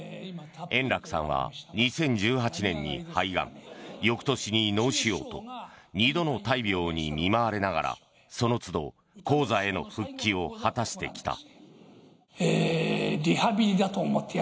円楽さんは２０１８年に肺がん翌年に脳腫瘍と２度の大病に見舞われながらそのつど高座への復帰を果たしてきた。